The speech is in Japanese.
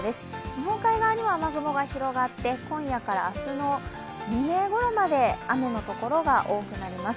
日本海側には雨雲が広がって今夜から明日の未明ごろまで雨のところが多くなります。